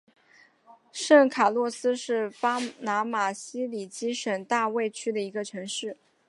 圣卡洛斯是巴拿马奇里基省大卫区的一个城市。